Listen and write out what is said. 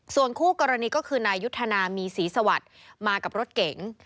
ส่วนคู่กรณีก็คือนายยุทธนามีศรีสวัสดิ์มากับรถเก๋ง